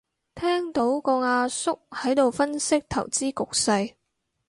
聽到個阿叔喺度分析投資局勢